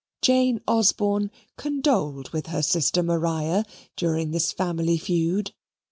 Jane Osborne condoled with her sister Maria during this family feud.